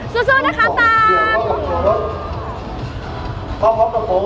สู้นะคะตาม